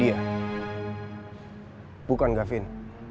saya bisa gempar dengan dia